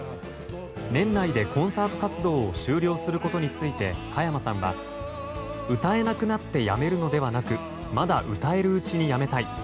年内でコンサート活動を終了することについて加山さんは歌えなくなってやめるのではなくまだ歌えるうちにやめたい。